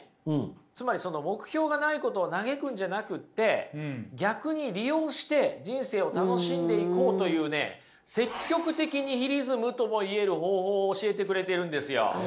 つまり目標がないことを嘆くんじゃなくって逆に利用して人生を楽しんでいこうというね積極的ニヒリズムとも言える方法を教えてくれてるんですよ。